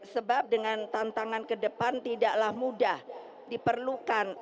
sebab dengan tantangan ke depan tidaklah mudah diperlukan